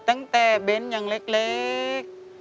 ตั้งแต่เบ้นอย่างเล็ก